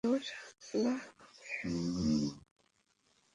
তোমার সাহায্য লাগবে।